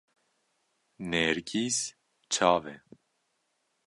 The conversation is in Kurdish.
nêrgîz çav e